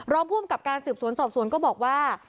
รองผู้อำกับการสืบสวนสอบสวนก็บอกว่า